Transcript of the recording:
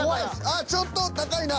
あっちょっと高いな。